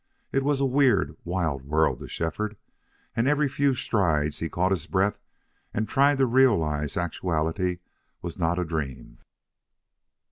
It was a weird, wild world to Shefford, and every few strides he caught his breath and tried to realize actuality was not a dream.